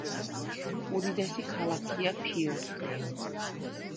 უდიდესი ქალაქია ფიორდი.